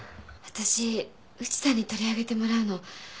わたし内さんに取り上げてもらうの。